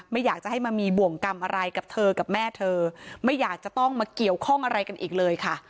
ไม่อยากจะให้มามีบ่วงกรรมอะไรกับเธอกับแม่เธอไม่อยากจะต้องมาเกี่ยวข้องอะไรกันอีกเลยค่ะ